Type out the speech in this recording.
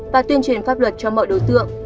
và tuyên truyền pháp luật cho mọi đối tượng